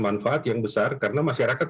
manfaat yang besar karena masyarakat